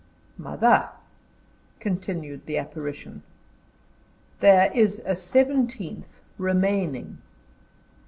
"Mother," continued the apparition, "there is a seventeenth remaining."